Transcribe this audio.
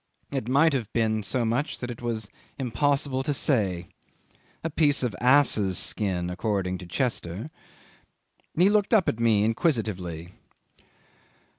It might have been so much that it was impossible to say. A piece of ass's skin, according to Chester. ... He looked up at me inquisitively.